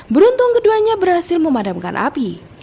beruntung keduanya berhasil memadamkan api